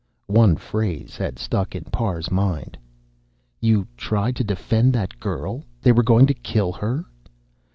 One phase had stuck in Parr's mind. "You tried to defend that girl. They were going to kill her?"